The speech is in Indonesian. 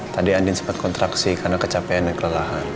tadi andin sempat kontraksi karena kecapean dan kelelahan